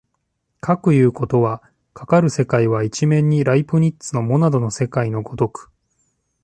かくいうことは、かかる世界は一面にライプニッツのモナドの世界の如く